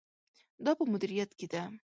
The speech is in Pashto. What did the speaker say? دا په مدیریت کې ده.